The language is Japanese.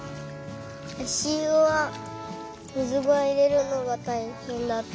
あしゆは水をいれるのがたいへんだった。